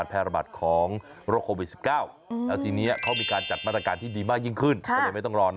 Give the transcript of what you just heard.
เพราะทุกคนเขาผ่านการคัดกรอง